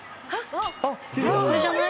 これじゃない？